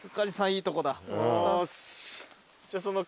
いいとこだ。